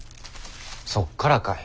そっからかい。